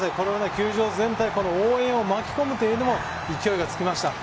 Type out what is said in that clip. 球場全体、応援を巻き込むというのも、勢いがつきました。